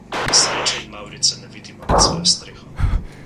Sreče in mavrice ne vidimo nad svojo streho.